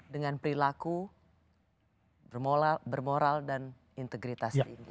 dengan perilaku bermoral dan integritas tinggi